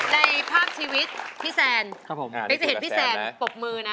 ในภาพชีวิตพี่แซนเป๊กจะเห็นพี่แซนปรบมือนะ